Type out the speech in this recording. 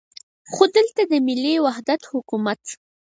خو دلته د ملي وحدت حکومت.